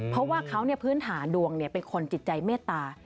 เพราะว่าเขาเนี่ยพื้นฐานดวงเนี่ยเป็นคนจิตใจเมตตา